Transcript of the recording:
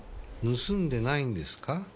盗んでないんですか？